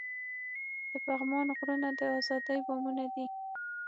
د پغمان غرونه د ازادۍ بامونه دي.